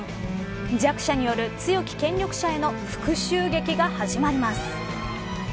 弱者による強き権力者への復讐劇が始まります。